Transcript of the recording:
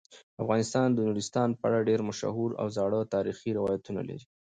افغانستان د نورستان په اړه ډیر مشهور او زاړه تاریخی روایتونه لري.